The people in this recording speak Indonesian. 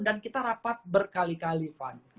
dan kita rapat berkali kali pan